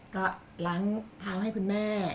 ก็ล้างเท้าให้คุณแม่